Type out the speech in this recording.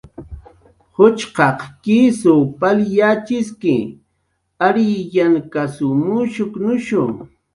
Juchqaq kisw pal yatxiski, ariyankasw mushkunushu